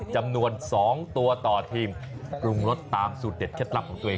จำนวน๒ตัวต่อทีมปรุงรสตามสูตรเด็ดเคล็ดลับของตัวเอง